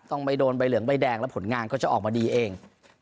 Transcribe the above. ต้องไปโดนใบเหลืองใบแดงแล้วผลงานก็จะออกมาดีเอง